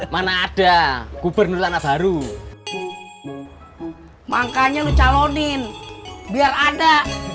mana ada kuper nurna baru makanya lu calonin biar ada